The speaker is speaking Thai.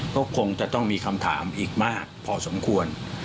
ก็คงจะต้องมีคำถามอีกมากพอสมควร